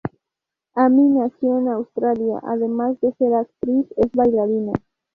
Amy nació en Australia; además de ser actriz es bailarina.